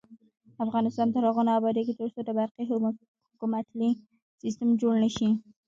افغانستان تر هغو نه ابادیږي، ترڅو د برقی حکومتولي سیستم جوړ نشي.